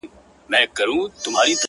په قحط کالۍ کي یې د سرو زرو پېزوان کړی دی،